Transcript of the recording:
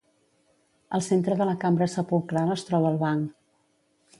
Al centre de la cambra sepulcral es troba el banc.